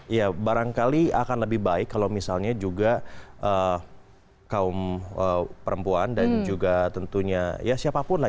ya barangkali akan lebih baik kalau misalnya juga kaum perempuan dan juga tentunya ya siapapun lah